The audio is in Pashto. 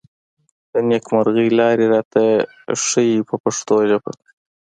د نېکمرغۍ لارې راته ښيي په پښتو ژبه.